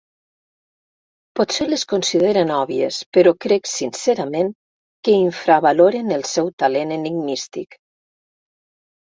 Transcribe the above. Potser les consideren òbvies, però crec sincerament que infravaloren el seu talent enigmístic.